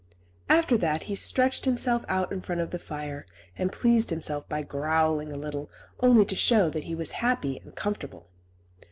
After that he stretched himself out in front of the fire, and pleased himself by growling a little, only to show that he was happy and comfortable.